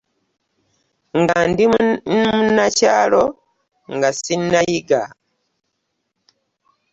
Nga ndi munnakyalo nga sinayiga.